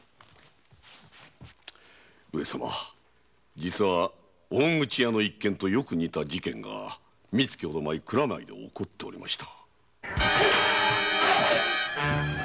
上様実は大口屋の一件とよく似た事件が三か月ほど前蔵前で起こっておりました。